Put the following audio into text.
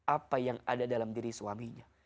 apa yang ada dalam diri suaminya